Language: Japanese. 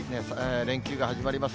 連休が始まります。